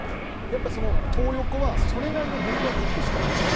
そのトー横はそれなりのここしかないんです。